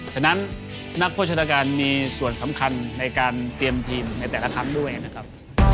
ฉะนั้นนักโภชนาการมีส่วนสำคัญในการเตรียมทีมในแต่ละครั้งด้วยนะครับ